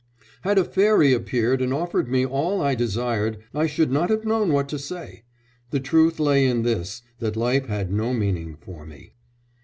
"Had a fairy appeared and offered me all I desired I should not have known what to say.... The truth lay in this, that life had no meaning for me."